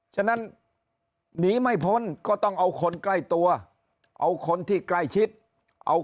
ฉะนั้นหนีไม่พ้นก็ต้องเอาคนใกล้ตัวเอาคนที่ใกล้ชิดเอา